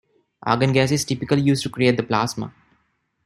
Argon gas is typically used to create the plasma.